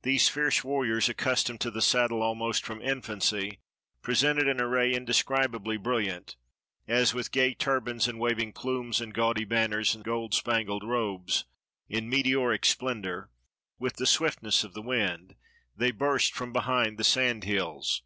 These fierce warriors, accustomed to the saddle almost from infancy, presented an array indescribably brilliant, as, with gay turbans, and waving plumes, and gaudy banners, and gold spangled robes, in meteoric splendor, with the 217 EGYPT swiftness of the wind, they burst from behind the sand hills.